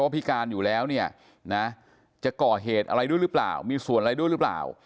พิการอยู่แล้วเนี่ยนะจะก่อเหตุอะไรด้วยหรือเปล่ามีส่วนอะไรด้วยหรือเปล่า